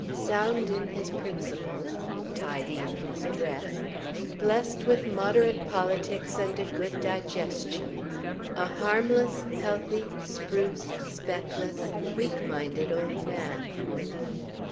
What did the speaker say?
Sound in his principles; tidy in his dress; blessed with moderate politics and a good digestion a harmless, healthy, spruce, speckless, weak minded old man.